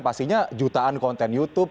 pastinya jutaan konten youtube